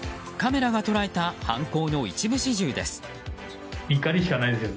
カメラが捉えた犯行の一部始終です。